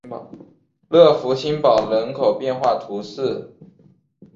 勒福新堡人口变化图示